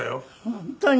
本当に？